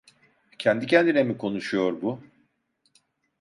Kendi kendine mi konuşuyor bu?